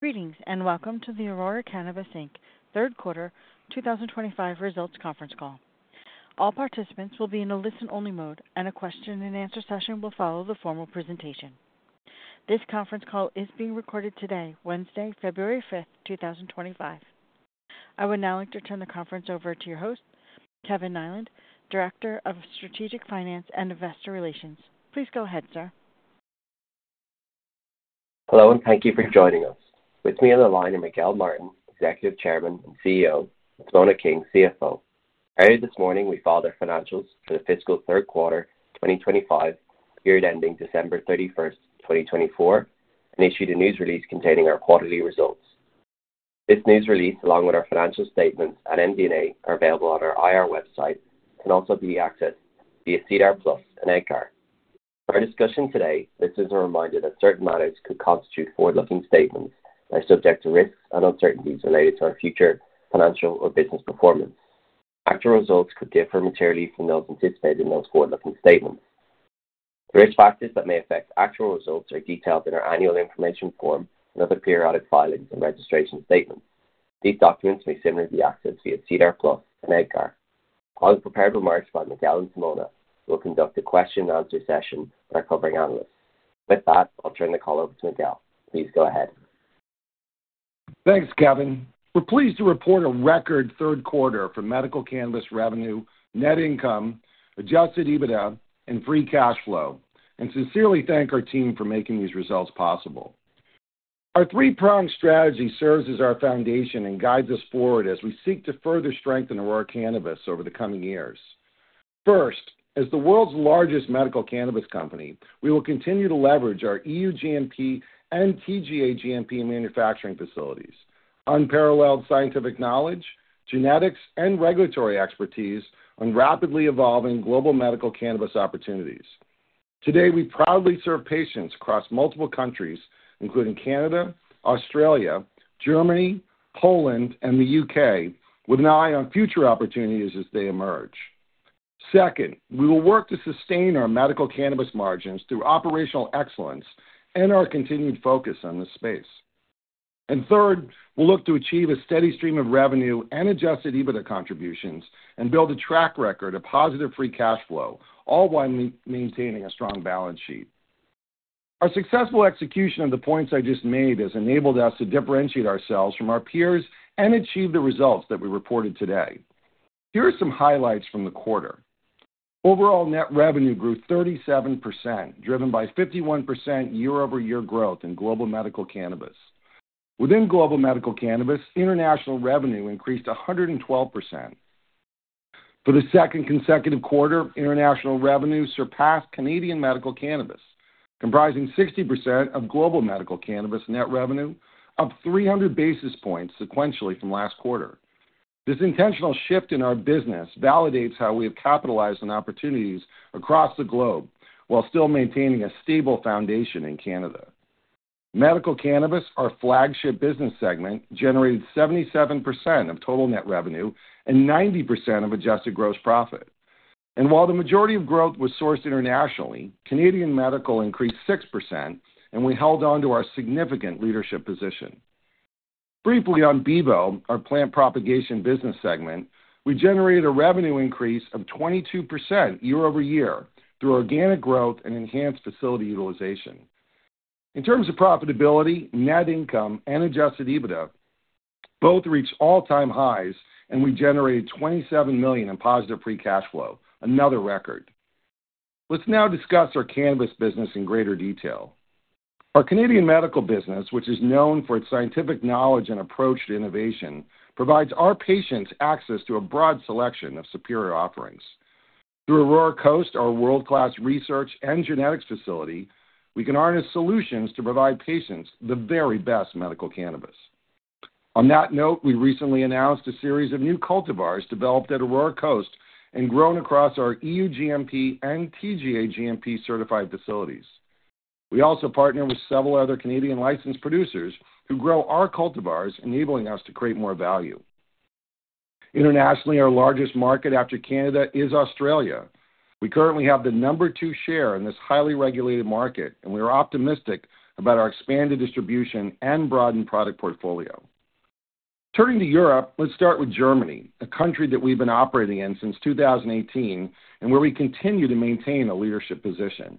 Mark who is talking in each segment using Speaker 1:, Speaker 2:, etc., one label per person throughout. Speaker 1: Greetings and welcome to the Aurora Cannabis Inc Third Quarter 2025 Results Conference Call. All participants will be in a listen-only mode, and a question-and-answer session will follow the formal presentation. This conference call is being recorded today, Wednesday, February 5th, 2025. I would now like to turn the conference over to your host, Kevin Niland, Director of Strategic Finance and Investor Relations. Please go ahead, sir.
Speaker 2: Hello, and thank you for joining us. With me on the line are Miguel Martin, Executive Chairman and CEO; Simona King, CFO. Earlier this morning, we filed our financials for the fiscal third quarter 2025, period ending December 31, 2024, and issued a news release containing our quarterly results. This news release, along with our financial statements and MD&A, are available on our IR website and can also be accessed via SEDAR Plus and EDGAR. For our discussion today, this is a reminder that certain matters could constitute forward-looking statements that are subject to risks and uncertainties related to our future financial or business performance. Actual results could differ materially from those anticipated in those forward-looking statements. The risk factors that may affect actual results are detailed in our annual information form and other periodic filings and registration statements. These documents may similarly be accessed via SEDAR Plus and EDGAR. I'll have prepared remarks by Miguel and Simona, who will conduct a question-and-answer session that are covering analysts. With that, I'll turn the call over to Miguel. Please go ahead.
Speaker 3: Thanks, Kevin. We're pleased to report a record third quarter for medical cannabis revenue, net income, adjusted EBITDA, and free cash flow, and sincerely thank our team for making these results possible. Our three-pronged strategy serves as our foundation and guides us forward as we seek to further strengthen Aurora Cannabis over the coming years. First, as the world's largest medical cannabis company, we will continue to leverage our EU GMP and TGA GMP manufacturing facilities, unparalleled scientific knowledge, genetics, and regulatory expertise on rapidly evolving global medical cannabis opportunities. Today, we proudly serve patients across multiple countries, including Canada, Australia, Germany, Poland, and the U.K., with an eye on future opportunities as they emerge. Second, we will work to sustain our medical cannabis margins through operational excellence and our continued focus on this space. Third, we'll look to achieve a steady stream of revenue and adjusted EBITDA contributions and build a track record of positive free cash flow, all while maintaining a strong balance sheet. Our successful execution of the points I just made has enabled us to differentiate ourselves from our peers and achieve the results that we reported today. Here are some highlights from the quarter. Overall net revenue grew 37%, driven by 51% year-over-year growth in global medical cannabis. Within global medical cannabis, international revenue increased 112%. For the second consecutive quarter, international revenue surpassed Canadian medical cannabis, comprising 60% of global medical cannabis net revenue, up 300 basis points sequentially from last quarter. This intentional shift in our business validates how we have capitalized on opportunities across the globe while still maintaining a stable foundation in Canada. Medical cannabis, our flagship business segment, generated 77% of total net revenue and 90% of adjusted gross profit. While the majority of growth was sourced internationally, Canadian medical increased 6%, and we held on to our significant leadership position. Briefly on Bevo, our plant propagation business segment, we generated a revenue increase of 22% year-over-year through organic growth and enhanced facility utilization. In terms of profitability, net income, and adjusted EBITDA, both reached all-time highs, and we generated $27 million in positive free cash flow, another record. Let's now discuss our cannabis business in greater detail. Our Canadian medical business, which is known for its scientific knowledge and approach to innovation, provides our patients access to a broad selection of superior offerings. Through Aurora Coast, our world-class research and genetics facility, we can harness solutions to provide patients the very best medical cannabis. On that note, we recently announced a series of new cultivars developed at Aurora Coast and grown across our EU GMP and TGA GMP certified facilities. We also partner with several other Canadian licensed producers who grow our cultivars, enabling us to create more value. Internationally, our largest market after Canada is Australia. We currently have the number two share in this highly regulated market, and we are optimistic about our expanded distribution and broadened product portfolio. Turning to Europe, let's start with Germany, a country that we've been operating in since 2018 and where we continue to maintain a leadership position.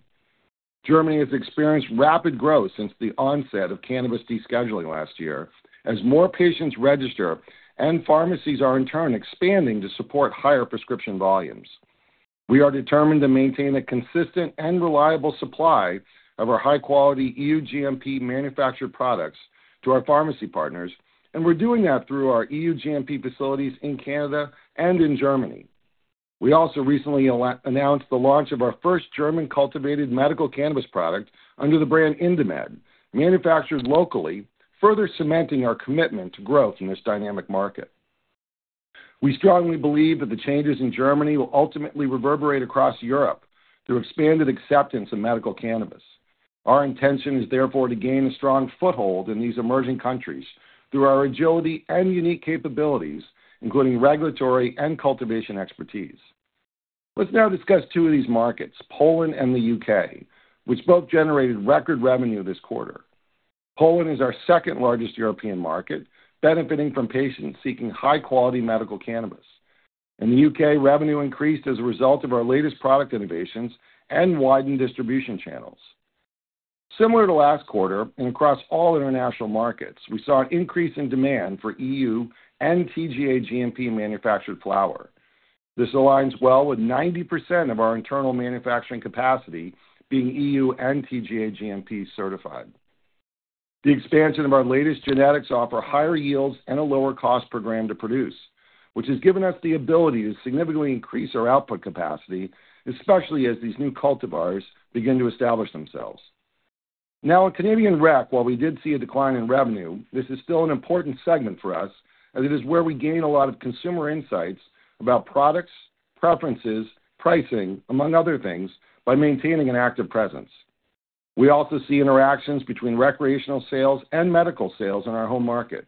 Speaker 3: Germany has experienced rapid growth since the onset of cannabis descheduling last year, as more patients register and pharmacies are in turn expanding to support higher prescription volumes. We are determined to maintain a consistent and reliable supply of our high-quality EU GMP manufactured products to our pharmacy partners, and we're doing that through our EU GMP facilities in Canada and in Germany. We also recently announced the launch of our first German cultivated medical cannabis product under the brand Indemed, manufactured locally, further cementing our commitment to growth in this dynamic market. We strongly believe that the changes in Germany will ultimately reverberate across Europe through expanded acceptance of medical cannabis. Our intention is therefore to gain a strong foothold in these emerging countries through our agility and unique capabilities, including regulatory and cultivation expertise. Let's now discuss two of these markets, Poland and the U.K., which both generated record revenue this quarter. Poland is our second-largest European market, benefiting from patients seeking high-quality medical cannabis. In the U.K., revenue increased as a result of our latest product innovations and widened distribution channels. Similar to last quarter, and across all international markets, we saw an increase in demand for EU and TGA GMP manufactured flower. This aligns well with 90% of our internal manufacturing capacity being EU and TGA GMP certified. The expansion of our latest genetics offers higher yields and a lower cost per gram to produce, which has given us the ability to significantly increase our output capacity, especially as these new cultivars begin to establish themselves. Now, in Canadian rec, while we did see a decline in revenue, this is still an important segment for us, as it is where we gain a lot of consumer insights about products, preferences, pricing, among other things, by maintaining an active presence. We also see interactions between recreational sales and medical sales in our home market.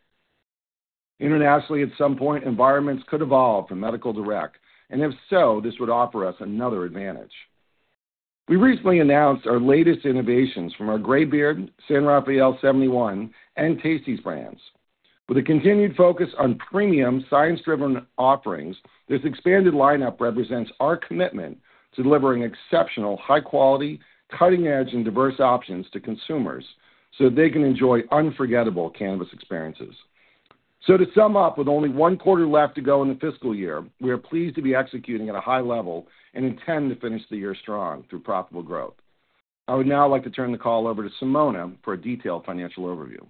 Speaker 3: Internationally, at some point, environments could evolve from medical to rec, and if so, this would offer us another advantage. We recently announced our latest innovations from our Greybeard, San Rafael 71, and Tasty's brands. With a continued focus on premium science-driven offerings, this expanded lineup represents our commitment to delivering exceptional high-quality, cutting-edge, and diverse options to consumers so that they can enjoy unforgettable cannabis experiences. To sum up, with only one quarter left to go in the fiscal year, we are pleased to be executing at a high level and intend to finish the year strong through profitable growth. I would now like to turn the call over to Simona for a detailed financial overview.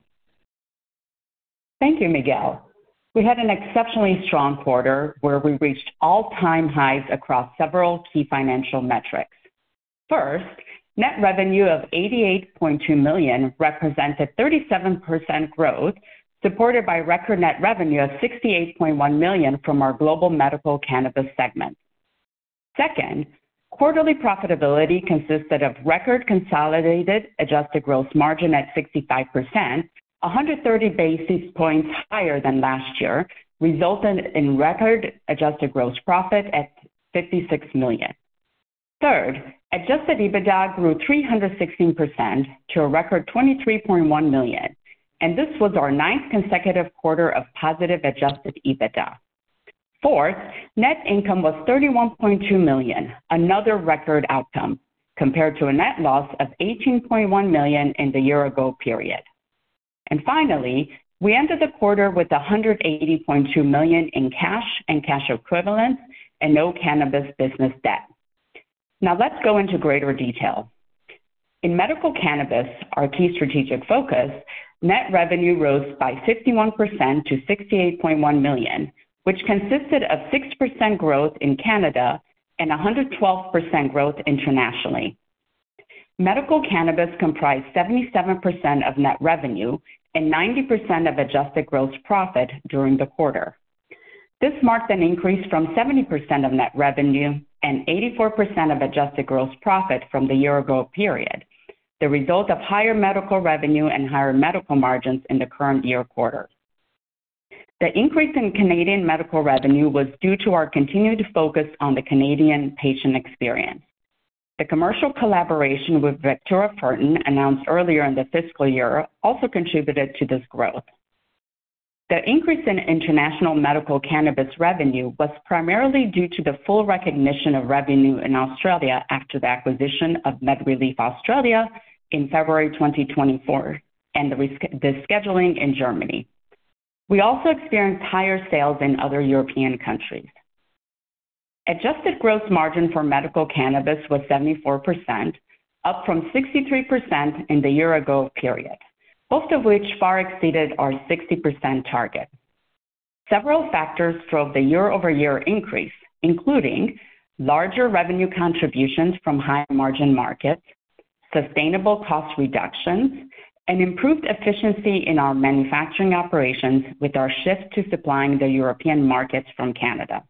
Speaker 4: Thank you, Miguel. We had an exceptionally strong quarter where we reached all-time highs across several key financial metrics. First, net revenue of $88.2 million represents a 37% growth, supported by record net revenue of $68.1 million from our global medical cannabis segment. Second, quarterly profitability consisted of record consolidated adjusted gross margin at 65%, 130 basis points higher than last year, resulting in record adjusted gross profit at $56 million. Third, adjusted EBITDA grew 316% to a record $23.1 million, and this was our ninth consecutive quarter of positive adjusted EBITDA. Fourth, net income was $31.2 million, another record outcome, compared to a net loss of $18.1 million in the year-ago period. Finally, we ended the quarter with $180.2 million in cash and cash equivalents and no cannabis business debt. Now, let's go into greater detail. In medical cannabis, our key strategic focus, net revenue rose by 51% to 68.1 million, which consisted of 6% growth in Canada and 112% growth internationally. Medical cannabis comprised 77% of net revenue and 90% of adjusted gross profit during the quarter. This marked an increase from 70% of net revenue and 84% of adjusted gross profit from the year-ago period, the result of higher medical revenue and higher medical margins in the current year quarter. The increase in Canadian medical revenue was due to our continued focus on the Canadian patient experience. The commercial collaboration with Victoria Fulton, announced earlier in the fiscal year, also contributed to this growth. The increase in international medical cannabis revenue was primarily due to the full recognition of revenue in Australia after the acquisition of MedReleaf Australia in February 2024 and the scheduling in Germany. We also experienced higher sales in other European countries. Adjusted gross margin for medical cannabis was 74%, up from 63% in the year-ago period, both of which far exceeded our 60% target. Several factors drove the year-over-year increase, including larger revenue contributions from high-margin markets, sustainable cost reductions, and improved efficiency in our manufacturing operations with our shift to supplying the European markets from Canada.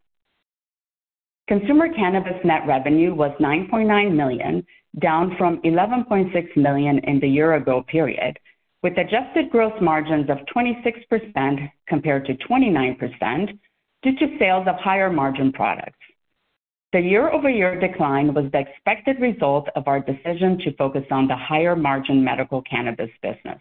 Speaker 4: Consumer cannabis net revenue was 9.9 million, down from 11.6 million in the year-ago period, with adjusted gross margins of 26% compared to 29% due to sales of higher margin products. The year-over-year decline was the expected result of our decision to focus on the higher-margin medical cannabis business.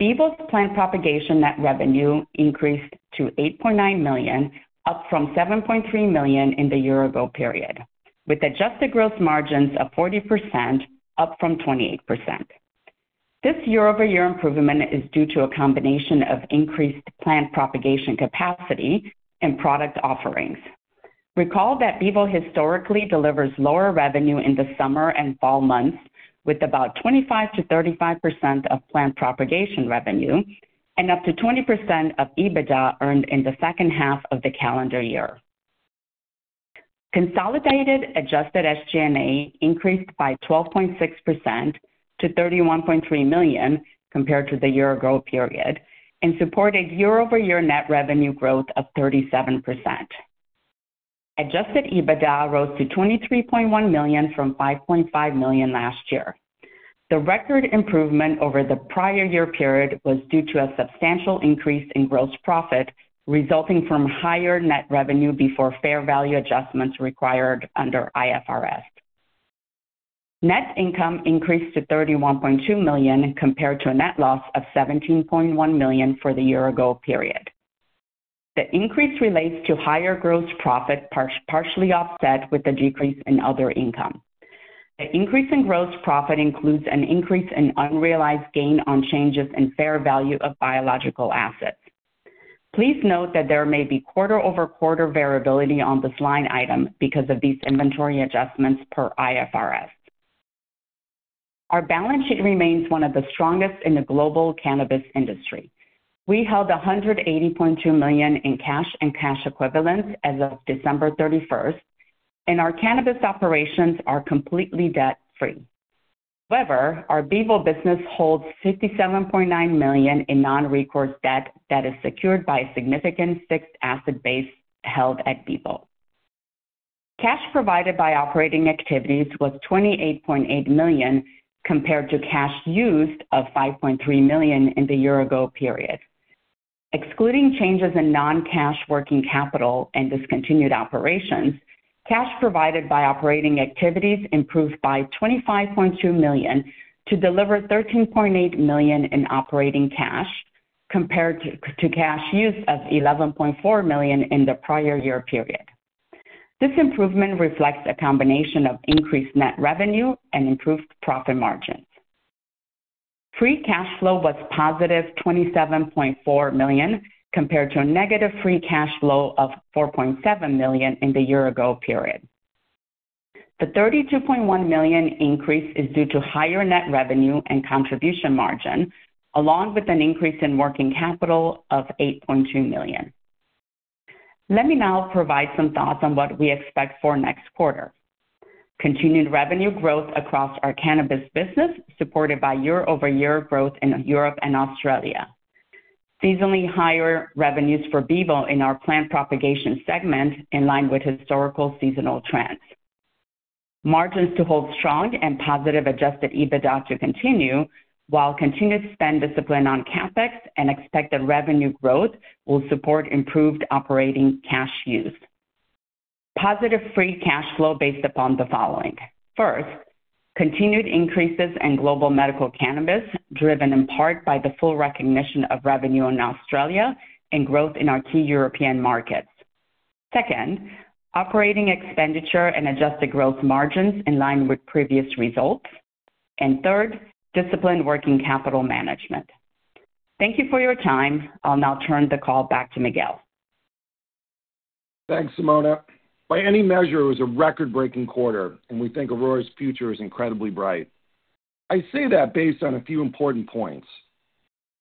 Speaker 4: Bevo's plant propagation net revenue increased to 8.9 million, up from 7.3 million in the year-ago period, with adjusted gross margins of 40%, up from 28%. This year-over-year improvement is due to a combination of increased plant propagation capacity and product offerings. Recall that Bevo historically delivers lower revenue in the summer and fall months, with about 25%-35% of plant propagation revenue and up to 20% of EBITDA earned in the second half of the calendar year. Consolidated adjusted SG&A increased by 12.6% to $31.3 million compared to the year-ago period and supported year-over-year net revenue growth of 37%. Adjusted EBITDA rose to $23.1 million from $5.5 million last year. The record improvement over the prior year period was due to a substantial increase in gross profit resulting from higher net revenue before fair value adjustments required under IFRS. Net income increased to $31.2 million compared to a net loss of $17.1 million for the year-ago period. The increase relates to higher gross profit partially offset with the decrease in other income. The increase in gross profit includes an increase in unrealized gain on changes in fair value of biological assets. Please note that there may be quarter-over-quarter variability on this line item because of these inventory adjustments per IFRS. Our balance sheet remains one of the strongest in the global cannabis industry. We held $180.2 million in cash and cash equivalents as of December 31st, and our cannabis operations are completely debt-free. However, our Bevo business holds $57.9 million in non-recourse debt that is secured by a significant fixed asset base held at Bevo. Cash provided by operating activities was $28.8 million compared to cash used of $5.3 million in the year-ago period. Excluding changes in non-cash working capital and discontinued operations, cash provided by operating activities improved by $25.2 million to deliver $13.8 million in operating cash compared to cash used of $11.4 million in the prior year period. This improvement reflects a combination of increased net revenue and improved profit margins. Free cash flow was positive $27.4 million compared to a negative free cash flow of $4.7 million in the year-ago period. The $32.1 million increase is due to higher net revenue and contribution margin, along with an increase in working capital of $8.2 million. Let me now provide some thoughts on what we expect for next quarter. Continued revenue growth across our cannabis business, supported by year-over-year growth in Europe and Australia. Seasonally higher revenues for Bevo in our plant propagation segment in line with historical seasonal trends. Margins to hold strong and positive adjusted EBITDA to continue, while continued spend discipline on CapEx and expected revenue growth will support improved operating cash use. Positive free cash flow based upon the following. First, continued increases in global medical cannabis, driven in part by the full recognition of revenue in Australia and growth in our key European markets. Second, operating expenditure and adjusted gross margins in line with previous results. Third, disciplined working capital management. Thank you for your time. I'll now turn the call back to Miguel.
Speaker 3: Thanks, Simona. By any measure, it was a record-breaking quarter, and we think Aurora's future is incredibly bright. I say that based on a few important points.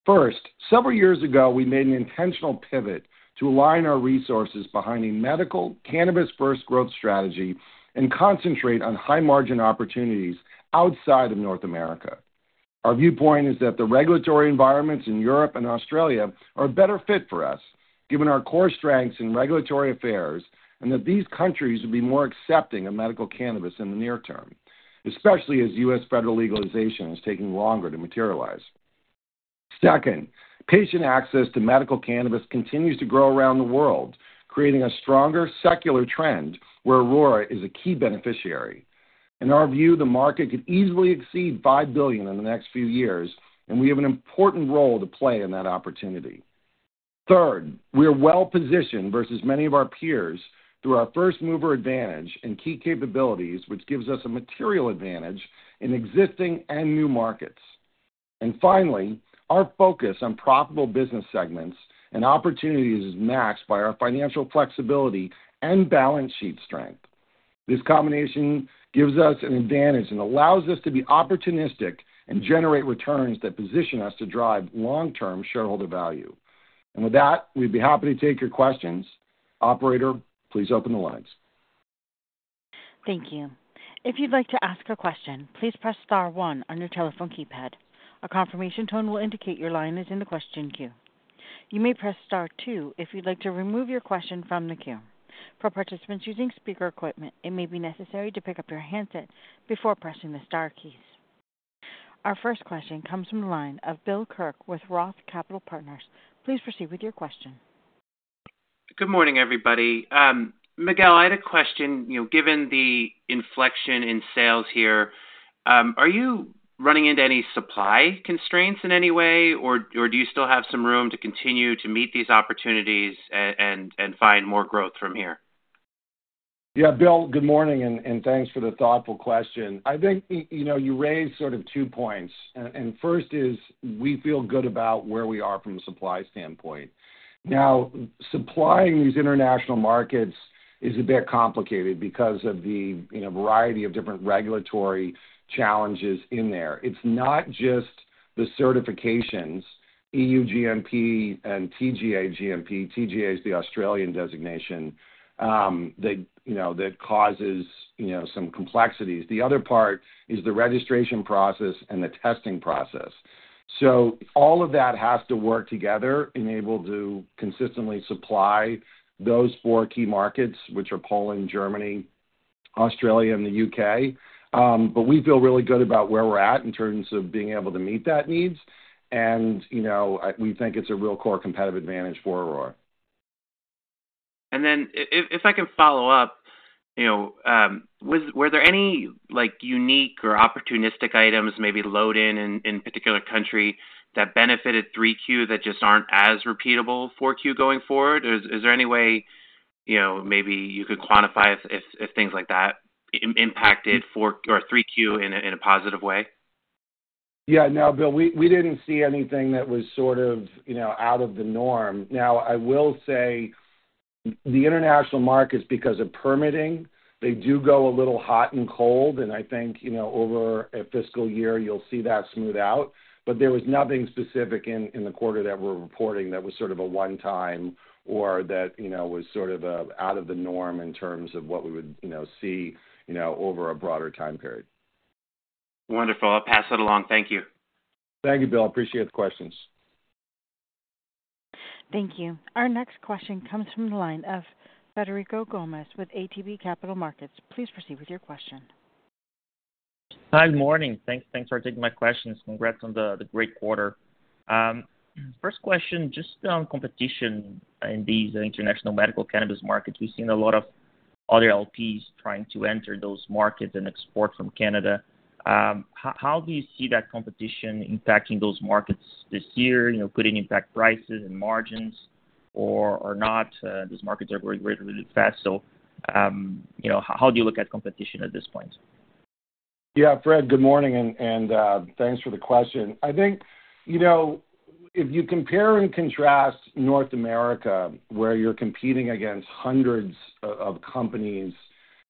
Speaker 3: First, several years ago, we made an intentional pivot to align our resources behind a medical cannabis-first growth strategy and concentrate on high-margin opportunities outside of North America. Our viewpoint is that the regulatory environments in Europe and Australia are a better fit for us, given our core strengths in regulatory affairs, and that these countries will be more accepting of medical cannabis in the near term, especially as U.S. federal legalization is taking longer to materialize. Second, patient access to medical cannabis continues to grow around the world, creating a stronger secular trend where Aurora is a key beneficiary. In our view, the market could easily exceed $5 billion in the next few years, and we have an important role to play in that opportunity. Third, we are well-positioned versus many of our peers through our first-mover advantage and key capabilities, which gives us a material advantage in existing and new markets. Finally, our focus on profitable business segments and opportunities is matched by our financial flexibility and balance sheet strength. This combination gives us an advantage and allows us to be opportunistic and generate returns that position us to drive long-term shareholder value. With that, we'd be happy to take your questions. Operator, please open the lines.
Speaker 1: Thank you. If you'd like to ask a question, please press star one on your telephone keypad. A confirmation tone will indicate your line is in the question queue. You may press star two if you'd like to remove your question from the queue. For participants using speaker equipment, it may be necessary to pick up your handset before pressing the star keys. Our first question comes from the line of Bill Kirk with ROTH Capital Partners. Please proceed with your question.
Speaker 5: Good morning, everybody. Miguel, I had a question. Given the inflection in sales here, are you running into any supply constraints in any way, or do you still have some room to continue to meet these opportunities and find more growth from here?
Speaker 3: Yeah, Bill, good morning, and thanks for the thoughtful question. I think you raised sort of two points. First is we feel good about where we are from a supply standpoint. Now, supplying these international markets is a bit complicated because of the variety of different regulatory challenges in there. It's not just the certifications, EU GMP and TGA GMP. TGA is the Australian designation that causes some complexities. The other part is the registration process and the testing process. All of that has to work together and be able to consistently supply those four key markets, which are Poland, Germany, Australia, and the U.K. We feel really good about where we're at in terms of being able to meet that need. We think it's a real core competitive advantage for Aurora.
Speaker 5: If I can follow up, were there any unique or opportunistic items, maybe load-in in a particular country that benefited 3Q that just are not as repeatable 4Q going forward? Is there any way maybe you could quantify if things like that impacted 3Q in a positive way?
Speaker 3: Yeah. No, Bill, we did not see anything that was sort of out of the norm. Now, I will say the international markets, because of permitting, they do go a little hot and cold. I think over a fiscal year, you will see that smooth out. There was nothing specific in the quarter that we are reporting that was sort of a one-time or that was sort of out of the norm in terms of what we would see over a broader time period.
Speaker 5: Wonderful. I'll pass that along. Thank you.
Speaker 3: Thank you, Bill. Appreciate the questions.
Speaker 1: Thank you. Our next question comes from the line of Federico Gomes with ATB Capital Markets. Please proceed with your question.
Speaker 6: Hi, good morning. Thanks for taking my questions. Congrats on the great quarter. First question, just on competition in these international medical cannabis markets. We've seen a lot of other LPs trying to enter those markets and export from Canada. How do you see that competition impacting those markets this year? Could it impact prices and margins or not? These markets are growing really, really fast. How do you look at competition at this point?
Speaker 3: Yeah, Fred, good morning, and thanks for the question. I think if you compare and contrast North America, where you're competing against hundreds of companies,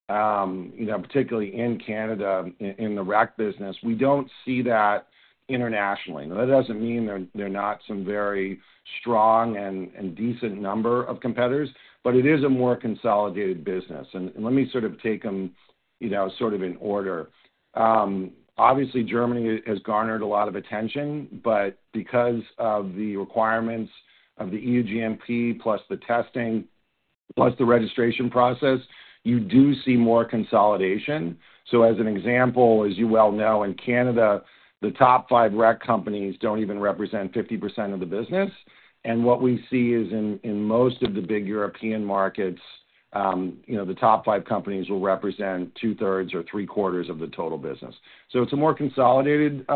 Speaker 3: particularly in Canada in the rec business, we don't see that internationally. That doesn't mean there are not some very strong and decent number of competitors, but it is a more consolidated business. Let me sort of take them in order. Obviously, Germany has garnered a lot of attention, but because of the requirements of the EU GMP plus the testing plus the registration process, you do see more consolidation. As an example, as you well know, in Canada, the top five rec companies don't even represent 50% of the business. What we see is in most of the big European markets, the top five companies will represent two-thirds or three-quarters of the total business. It is a more consolidated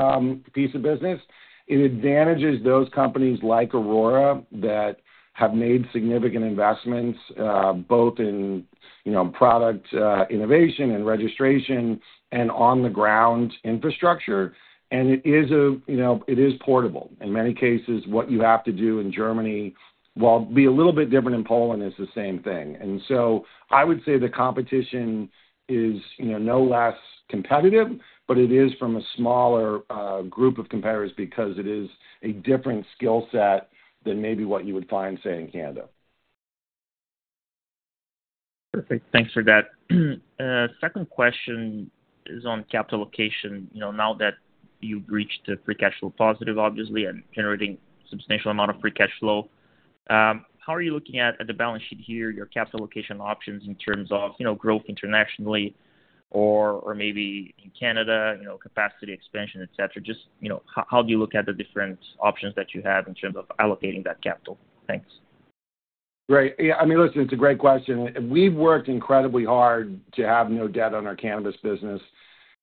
Speaker 3: piece of business. It advantages those companies like Aurora that have made significant investments both in product innovation and registration and on-the-ground infrastructure. It is portable. In many cases, what you have to do in Germany, while it would be a little bit different in Poland, is the same thing. I would say the competition is no less competitive, but it is from a smaller group of competitors because it is a different skill set than maybe what you would find, say, in Canada.
Speaker 6: Perfect. Thanks for that. Second question is on capital allocation. Now that you've reached the free cash flow positive, obviously, and generating a substantial amount of free cash flow, how are you looking at the balance sheet here, your capital allocation options in terms of growth internationally or maybe in Canada, capacity expansion, etc.? Just how do you look at the different options that you have in terms of allocating that capital? Thanks.
Speaker 3: Right. Yeah. I mean, listen, it's a great question. We've worked incredibly hard to have no debt on our cannabis business.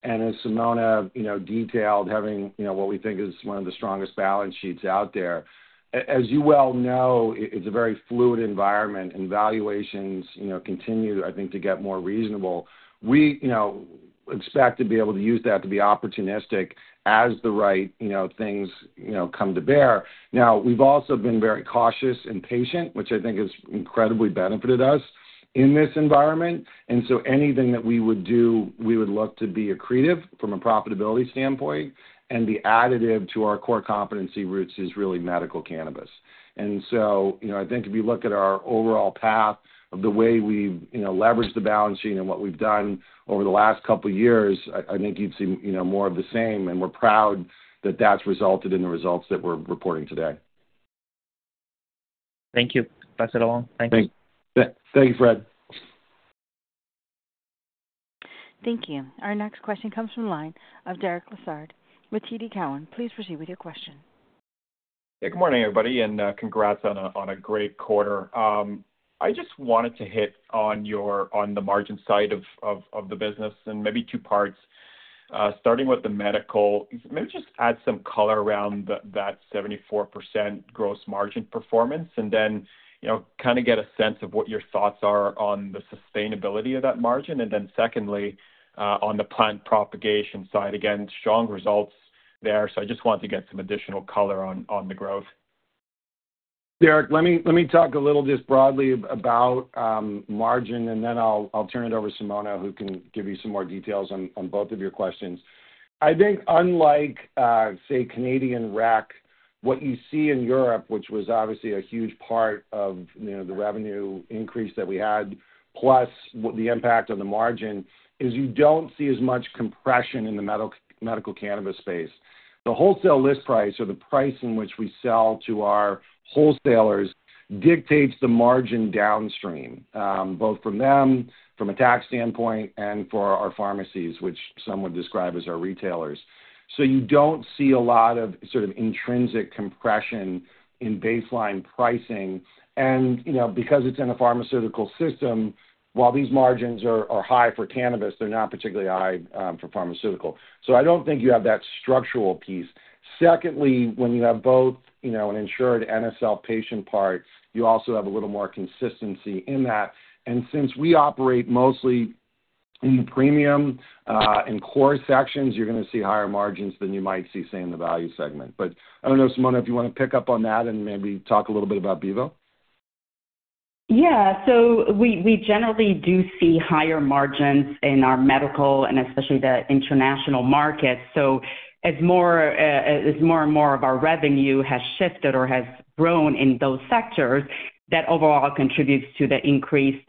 Speaker 3: As Simona detailed, having what we think is one of the strongest balance sheets out there. As you well know, it's a very fluid environment, and valuations continue, I think, to get more reasonable. We expect to be able to use that to be opportunistic as the right things come to bear. We've also been very cautious and patient, which I think has incredibly benefited us in this environment. Anything that we would do, we would look to be accretive from a profitability standpoint. The additive to our core competency roots is really medical cannabis. I think if you look at our overall path of the way we've leveraged the balance sheet and what we've done over the last couple of years, I think you'd see more of the same. We're proud that that's resulted in the results that we're reporting today.
Speaker 6: Thank you. Pass it along. Thanks.
Speaker 3: Thanks. Thanks, Fred.
Speaker 1: Thank you. Our next question comes from the line of Derek Lessard with TD Cowen. Please proceed with your question.
Speaker 7: Yeah, good morning, everybody, and congrats on a great quarter. I just wanted to hit on the margin side of the business and maybe two parts. Starting with the medical, maybe just add some color around that 74% gross margin performance and then kind of get a sense of what your thoughts are on the sustainability of that margin. Secondly, on the plant propagation side, again, strong results there. I just wanted to get some additional color on the growth.
Speaker 3: Derek, let me talk a little just broadly about margin, and then I'll turn it over to Simona, who can give you some more details on both of your questions. I think unlike, say, Canadian rec, what you see in Europe, which was obviously a huge part of the revenue increase that we had, plus the impact on the margin, is you don't see as much compression in the medical cannabis space. The wholesale list price or the price in which we sell to our wholesalers dictates the margin downstream, both from them, from a tax standpoint, and for our pharmacies, which some would describe as our retailers. You don't see a lot of sort of intrinsic compression in baseline pricing. Because it's in a pharmaceutical system, while these margins are high for cannabis, they're not particularly high for pharmaceutical. I don't think you have that structural piece. Secondly, when you have both an insured NSL patient part, you also have a little more consistency in that. Since we operate mostly in the premium and core sections, you're going to see higher margins than you might see, say, in the value segment. I don't know, Simona, if you want to pick up on that and maybe talk a little bit about Bevo.
Speaker 4: Yeah. We generally do see higher margins in our medical and especially the international markets. As more and more of our revenue has shifted or has grown in those sectors, that overall contributes to the increased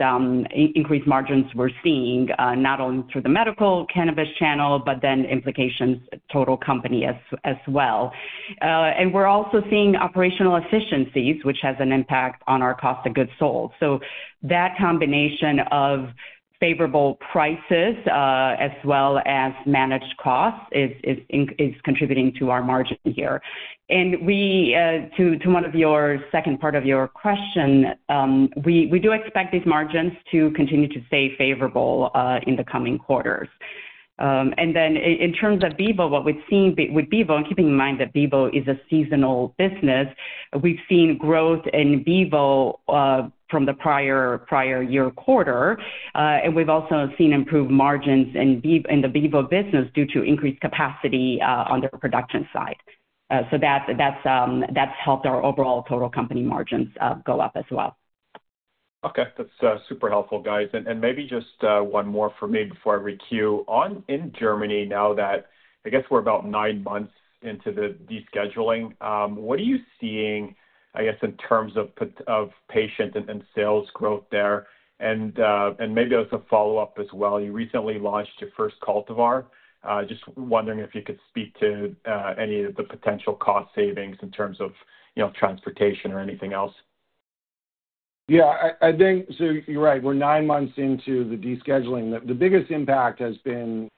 Speaker 4: margins we're seeing, not only through the medical cannabis channel, but then implications to the total company as well. We're also seeing operational efficiencies, which has an impact on our cost of goods sold. That combination of favorable prices as well as managed costs is contributing to our margin here. To one of your second part of your question, we do expect these margins to continue to stay favorable in the coming quarters. In terms of Bevo, what we've seen with Bevo, and keeping in mind that Bevo is a seasonal business, we've seen growth in Bevo from the prior year quarter. We have also seen improved margins in the Bevo business due to increased capacity on the production side. That has helped our overall total company margins go up as well.
Speaker 7: Okay. That's super helpful, guys. Maybe just one more for me before I requeue. In Germany, now that I guess we're about nine months into the rescheduling, what are you seeing, I guess, in terms of patient and sales growth there? Maybe as a follow-up as well, you recently launched your first cultivar. Just wondering if you could speak to any of the potential cost savings in terms of transportation or anything else.
Speaker 3: Yeah. You're right. We're nine months into the rescheduling. The biggest impact has been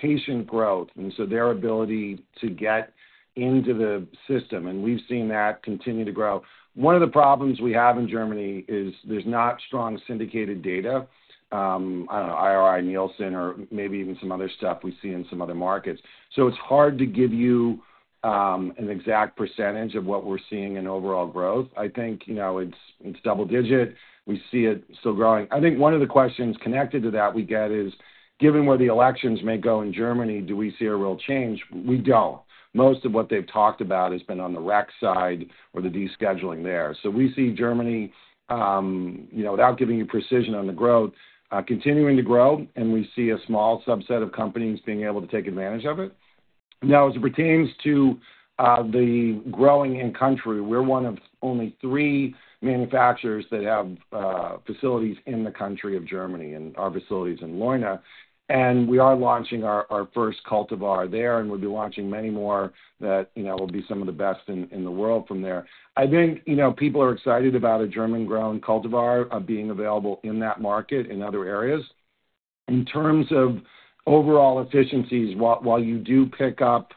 Speaker 3: patient growth and their ability to get into the system. We've seen that continue to grow. One of the problems we have in Germany is there's not strong syndicated data, I don't know, IRI, Nielsen, or maybe even some other stuff we see in some other markets. It's hard to give you an exact percentage of what we're seeing in overall growth. I think it's double-digit. We see it still growing. I think one of the questions connected to that we get is, given where the elections may go in Germany, do we see a real change? We don't. Most of what they've talked about has been on the rec side or the rescheduling there. We see Germany, without giving you precision on the growth, continuing to grow. We see a small subset of companies being able to take advantage of it. Now, as it pertains to the growing in-country, we're one of only three manufacturers that have facilities in the country of Germany and our facilities in Leuna. We are launching our first cultivar there, and we'll be launching many more that will be some of the best in the world from there. I think people are excited about a German-grown cultivar being available in that market in other areas. In terms of overall efficiencies, while you do pick up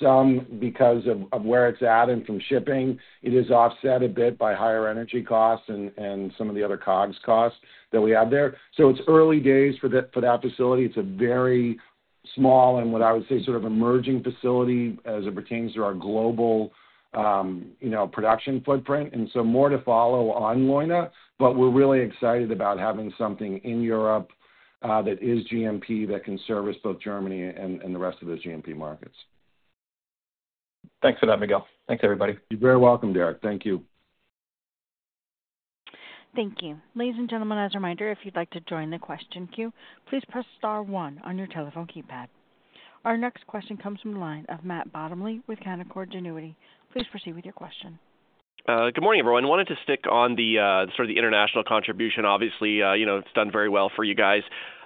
Speaker 3: some because of where it's at and from shipping, it is offset a bit by higher energy costs and some of the other COGS costs that we have there. It is early days for that facility. It's a very small and what I would say sort of emerging facility as it pertains to our global production footprint. More to follow on Leuna. We're really excited about having something in Europe that is GMP that can service both Germany and the rest of those GMP markets.
Speaker 7: Thanks for that, Miguel. Thanks, everybody.
Speaker 3: You're very welcome, Derek. Thank you.
Speaker 1: Thank you. Ladies and gentlemen, as a reminder, if you'd like to join the question queue, please press star one on your telephone keypad. Our next question comes from the line of Matt Bottomley with Canaccord Genuity. Please proceed with your question.
Speaker 8: Good morning, everyone. I wanted to stick on sort of the international contribution. Obviously, it's done very well for you guys.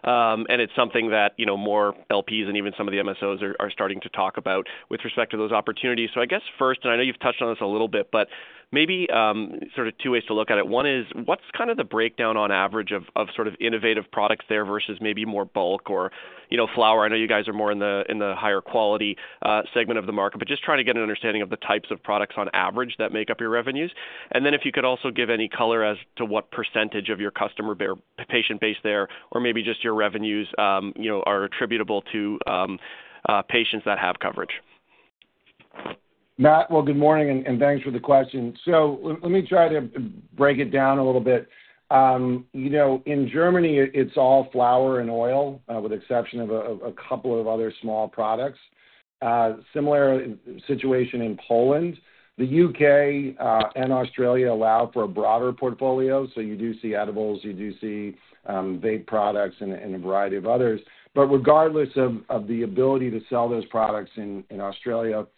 Speaker 8: It's something that more LPs and even some of the MSOs are starting to talk about with respect to those opportunities. I guess first, and I know you've touched on this a little bit, but maybe sort of two ways to look at it. One is, what's kind of the breakdown on average of sort of innovative products there versus maybe more bulk or flower? I know you guys are more in the higher quality segment of the market, but just trying to get an understanding of the types of products on average that make up your revenues. If you could also give any color as to what percentage of your customer patient base there or maybe just your revenues are attributable to patients that have coverage.
Speaker 3: Matt, good morning, and thanks for the question. Let me try to break it down a little bit. In Germany, it's all flower and oil with the exception of a couple of other small products. Similar situation in Poland. The U.K. and Australia allow for a broader portfolio. You do see edibles, you do see vape products, and a variety of others. Regardless of the ability to sell those products in Australia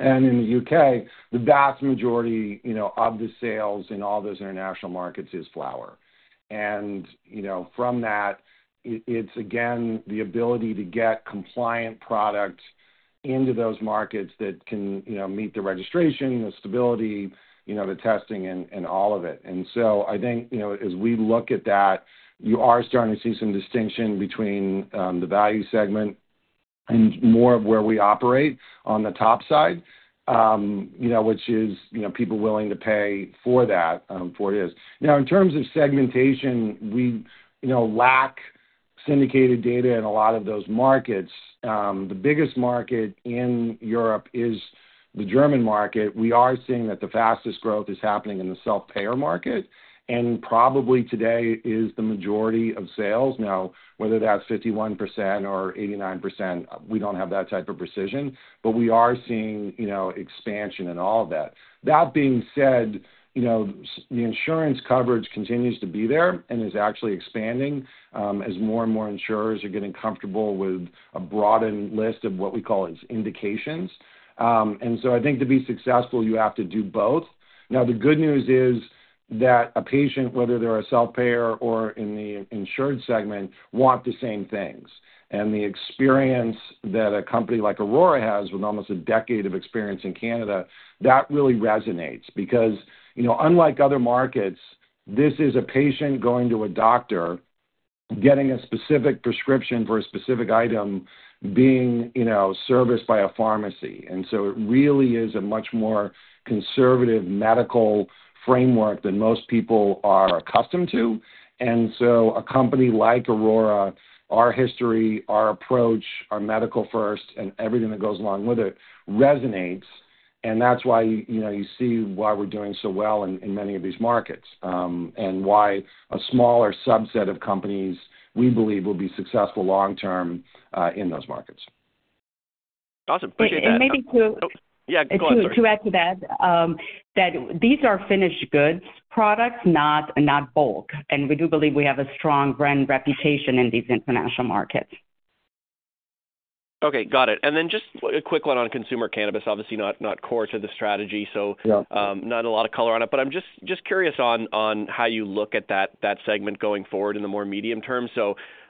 Speaker 3: and in the U.K., the vast majority of the sales in all those international markets is flower. From that, it's, again, the ability to get compliant products into those markets that can meet the registration, the stability, the testing, and all of it. I think as we look at that, you are starting to see some distinction between the value segment and more of where we operate on the top side, which is people willing to pay for that, for it is. Now, in terms of segmentation, we lack syndicated data in a lot of those markets. The biggest market in Europe is the German market. We are seeing that the fastest growth is happening in the self-payer market, and probably today is the majority of sales. Now, whether that's 51% or 89%, we do not have that type of precision, but we are seeing expansion in all of that. That being said, the insurance coverage continues to be there and is actually expanding as more and more insurers are getting comfortable with a broadened list of what we call its indications. I think to be successful, you have to do both. The good news is that a patient, whether they're a self-payer or in the insured segment, want the same things. The experience that a company like Aurora has with almost a decade of experience in Canada really resonates because unlike other markets, this is a patient going to a doctor, getting a specific prescription for a specific item, being serviced by a pharmacy. It really is a much more conservative medical framework than most people are accustomed to. A company like Aurora, our history, our approach, our medical first, and everything that goes along with it resonates. That is why you see why we're doing so well in many of these markets and why a smaller subset of companies we believe will be successful long-term in those markets.
Speaker 8: Awesome. Appreciate that.
Speaker 4: Maybe to.
Speaker 8: Yeah, go ahead.
Speaker 4: To add to that, that these are finished goods products, not bulk. We do believe we have a strong brand reputation in these international markets.
Speaker 8: Okay. Got it. Just a quick one on consumer cannabis, obviously not core to the strategy, so not a lot of color on it. I'm just curious on how you look at that segment going forward in the more medium term.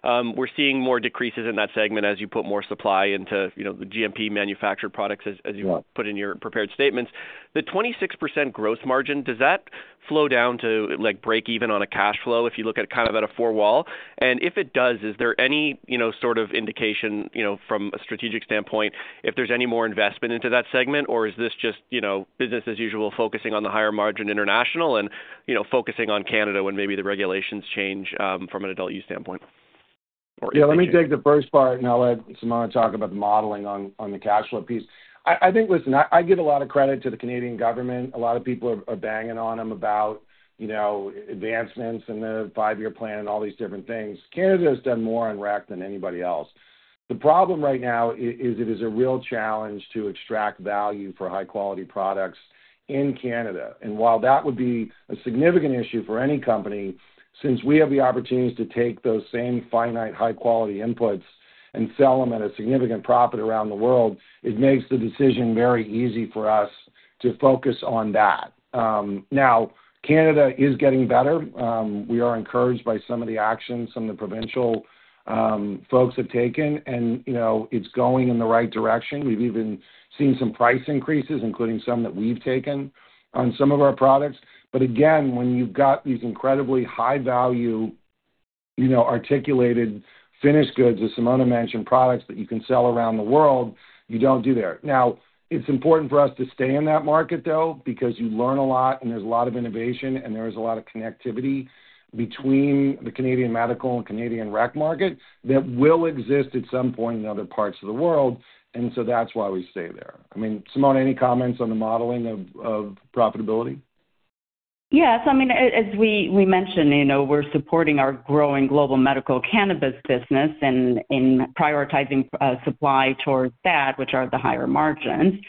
Speaker 8: We're seeing more decreases in that segment as you put more supply into the GMP manufactured products as you put in your prepared statements. The 26% gross margin, does that flow down to break even on a cash flow if you look at it kind of at a four-wall? If it does, is there any sort of indication from a strategic standpoint if there's any more investment into that segment, or is this just business as usual focusing on the higher margin international and focusing on Canada when maybe the regulations change from an adult use standpoint?
Speaker 3: Yeah. Let me take the first part, and I'll let Simona talk about the modeling on the cash flow piece. I think, listen, I give a lot of credit to the Canadian government. A lot of people are banging on them about advancements in the five-year plan and all these different things. Canada has done more on rec than anybody else. The problem right now is it is a real challenge to extract value for high-quality products in Canada. While that would be a significant issue for any company, since we have the opportunities to take those same finite high-quality inputs and sell them at a significant profit around the world, it makes the decision very easy for us to focus on that. Now, Canada is getting better. We are encouraged by some of the actions some of the provincial folks have taken, and it is going in the right direction. We have even seen some price increases, including some that we have taken on some of our products. Again, when you have got these incredibly high-value articulated finished goods, the Simona mentioned products that you can sell around the world, you do not do there. It is important for us to stay in that market, though, because you learn a lot, and there is a lot of innovation, and there is a lot of connectivity between the Canadian medical and Canadian rec market that will exist at some point in other parts of the world. That is why we stay there. I mean, Simona, any comments on the modeling of profitability?
Speaker 4: Yeah. I mean, as we mentioned, we're supporting our growing global medical cannabis business and prioritizing supply towards that, which are the higher margins.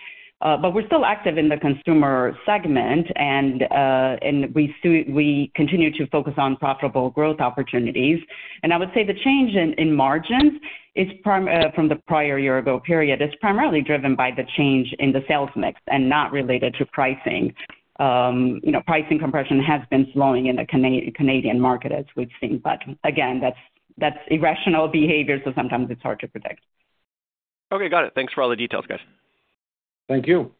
Speaker 4: We're still active in the consumer segment, and we continue to focus on profitable growth opportunities. I would say the change in margins from the prior year ago period is primarily driven by the change in the sales mix and not related to pricing. Pricing compression has been slowing in the Canadian market, as we've seen. Again, that's irrational behavior, so sometimes it's hard to predict.
Speaker 8: Okay. Got it. Thanks for all the details, guys.
Speaker 3: Thank you.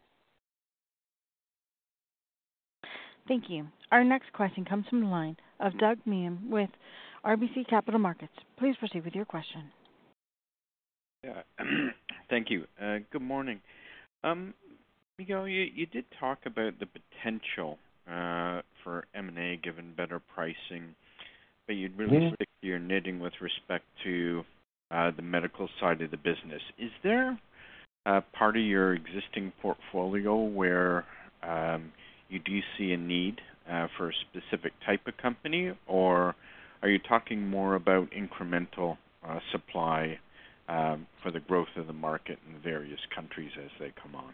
Speaker 1: Thank you. Our next question comes from the line of Doug Meehan with RBC Capital Markets. Please proceed with your question.
Speaker 9: Thank you. Good morning. Miguel, you did talk about the potential for M&A given better pricing, but you'd really stick to your knitting with respect to the medical side of the business. Is there a part of your existing portfolio where you do see a need for a specific type of company, or are you talking more about incremental supply for the growth of the market in various countries as they come on?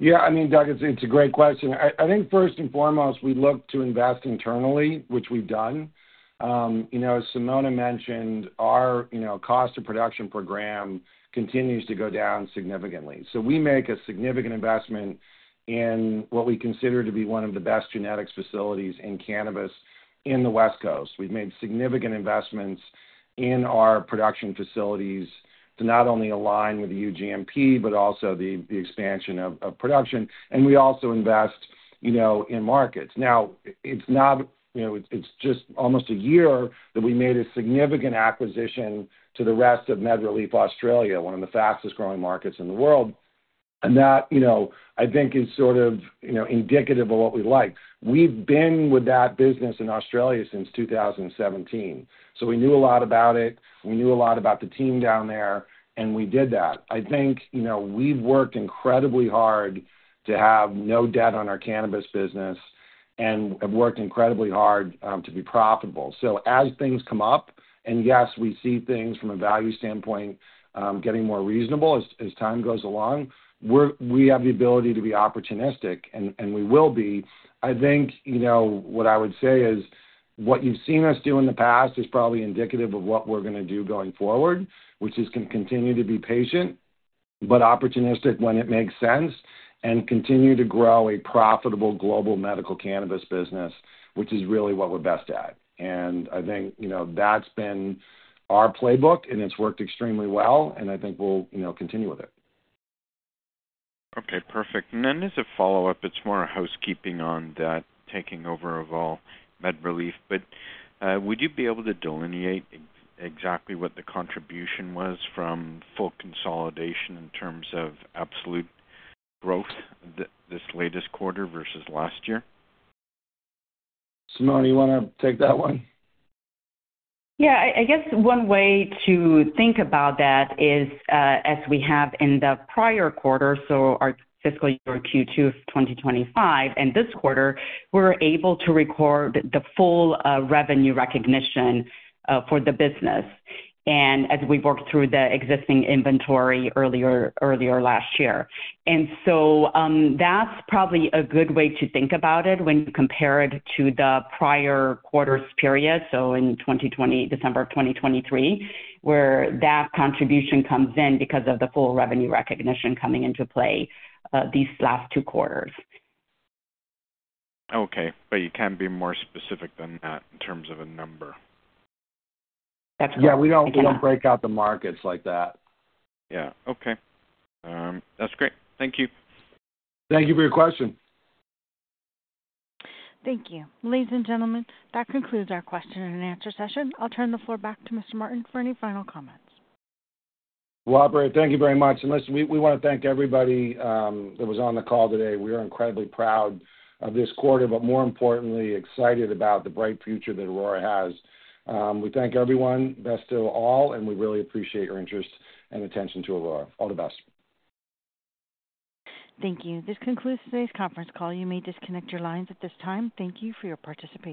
Speaker 3: Yeah. I mean, Doug, it's a great question. I think first and foremost, we look to invest internally, which we've done. As Simona mentioned, our cost of production program continues to go down significantly. We make a significant investment in what we consider to be one of the best genetics facilities in cannabis in the West Coast. We've made significant investments in our production facilities to not only align with EU GMP, but also the expansion of production. We also invest in markets. Now, it's just almost a year that we made a significant acquisition to the rest of MedReleaf Australia, one of the fastest-growing markets in the world. That, I think, is sort of indicative of what we like. We've been with that business in Australia since 2017. We knew a lot about it. We knew a lot about the team down there, and we did that. I think we've worked incredibly hard to have no debt on our cannabis business and have worked incredibly hard to be profitable. As things come up, and yes, we see things from a value standpoint getting more reasonable as time goes along, we have the ability to be opportunistic, and we will be. I think what I would say is what you've seen us do in the past is probably indicative of what we're going to do going forward, which is continue to be patient, but opportunistic when it makes sense, and continue to grow a profitable global medical cannabis business, which is really what we're best at. I think that's been our playbook, and it's worked extremely well, and I think we'll continue with it.
Speaker 9: Okay. Perfect. As a follow-up, it's more housekeeping on that taking over of all MedReleaf. Would you be able to delineate exactly what the contribution was from full consolidation in terms of absolute growth this latest quarter versus last year?
Speaker 3: Simona, you want to take that one?
Speaker 4: Yeah. I guess one way to think about that is, as we have in the prior quarter, so our fiscal year Q2 of 2025, and this quarter, we're able to record the full revenue recognition for the business as we've worked through the existing inventory earlier last year. That's probably a good way to think about it when you compare it to the prior quarter's period, so in December of 2023, where that contribution comes in because of the full revenue recognition coming into play these last two quarters.
Speaker 9: Okay. You can be more specific than that in terms of a number.
Speaker 3: Yeah. We don't break out the markets like that.
Speaker 9: Yeah. Okay. That's great. Thank you.
Speaker 3: Thank you for your question.
Speaker 1: Thank you. Ladies and gentlemen, that concludes our question and answer session. I'll turn the floor back to Mr. Martin for any final comments.
Speaker 3: Thank you very much. Listen, we want to thank everybody that was on the call today. We are incredibly proud of this quarter, but more importantly, excited about the bright future that Aurora has. We thank everyone. Best to all, and we really appreciate your interest and attention to Aurora. All the best.
Speaker 1: Thank you. This concludes today's conference call. You may disconnect your lines at this time. Thank you for your participation.